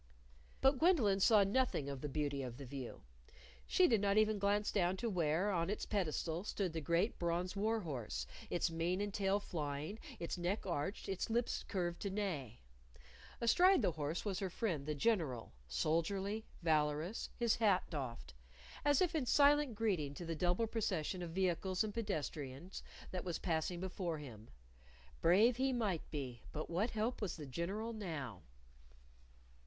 But Gwendolyn saw nothing of the beauty of the view. She did not even glance down to where, on its pedestal, stood the great bronze war horse, its mane and tail flying, its neck arched, its lips curved to neigh. Astride the horse was her friend, the General, soldierly, valorous, his hat doffed as if in silent greeting to the double procession of vehicles and pedestrians that was passing before him. Brave he might be, but what help was the General _now?